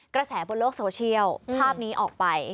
กระแสบนโลกโซเชียลภาพนี้ออกไป